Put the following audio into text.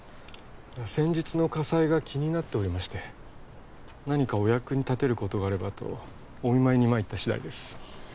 先日の火災が気になっておりまして何かお役に立てることがあればとお見舞いに参った次第です